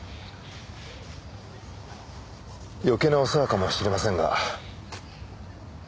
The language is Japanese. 余計なお世話かもしれませんが。